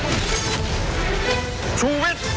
เราพักกันกันอีกครู่หนึ่งก่อนค่ะ